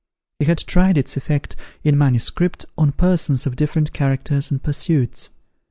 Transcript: He had tried its effect, in manuscript, on persons of different characters and pursuits.